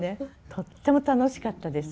とっても楽しかったです。